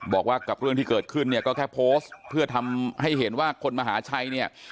บอกว่ากับเรื่องที่เกิดขึ้นเนี่ยก็แค่โพสต์เพื่อทำให้เห็นว่าคนมหาชัยเนี่ย